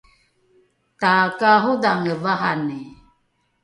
takaarodhange vahani